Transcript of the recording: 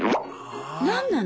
何なの？